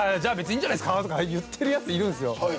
「いいんじゃないっすか」とか言ってるやついるんすよ